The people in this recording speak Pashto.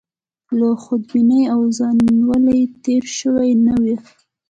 له خودبینۍ او ځانولۍ تېر شوي نه وي.